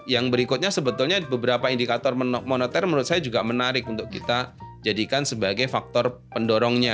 yang berikutnya sebetulnya beberapa indikator moneter menurut saya juga menarik untuk kita jadikan sebagai faktor pendorongnya